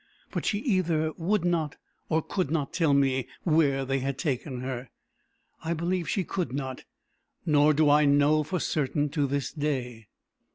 But she either would not or could not tell me where they had taken her. I believe she could not. Nor do I know for certain to this day.